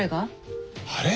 あれ？